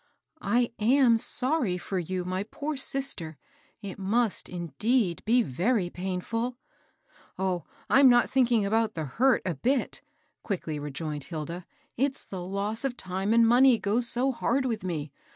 " I am sorry for you, my poor sister. It must, indeed, be very painftd." " Oh, I'm not thinking about the hurt a bit," quickly rejoined Hilda. It's the loss of time #nd money goes so hard with me.